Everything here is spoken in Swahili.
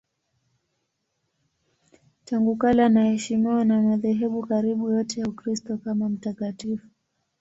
Tangu kale anaheshimiwa na madhehebu karibu yote ya Ukristo kama mtakatifu.